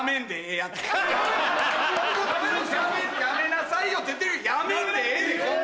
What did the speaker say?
やめなさいよって言ってるけどやめんでええ。